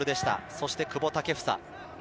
そして久保建英。